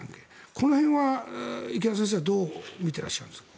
この辺は池田先生はどう見てらっしゃいますか？